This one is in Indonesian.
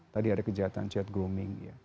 tadi ada kejahatan chat grooming ya